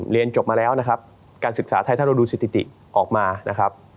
เรียนจบมาแล้วนะครับการศึกษาไทยถ้าเราดูสถิติออกมานะครับ